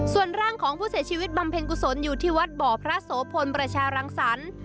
ส่วนร่างของผู้เสียชีวิตบำเพ็ญกุศลอยู่ที่วัดบ่อพระโสพลประชารังสรรค์